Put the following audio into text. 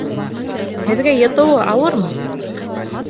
Һеҙгә йотоуы ауырмы?